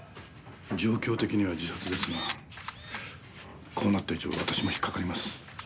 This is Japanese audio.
状況的には自殺ですがこうなった以上私も引っ掛かります。